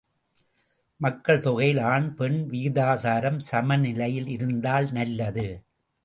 மக்கள் தொகையில் ஆண் பெண் விகிதாசாரம் சமநிலையில் இருந்தால் நல்லது.